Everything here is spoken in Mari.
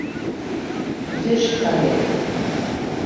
Кузе шканет?